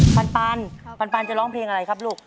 ปันปันจะร้องเพลงอะไรครับลูก